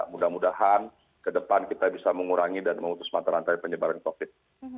mudah mudahan ke depan kita bisa mengurangi dan mengutus pantaran dari penyebaran covid